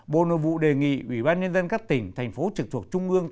bộ nội vụ đề nghị ủy ban nhân dân các tỉnh thành phố trực thuộc trung ương